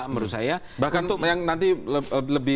menurut saya bahkan yang nanti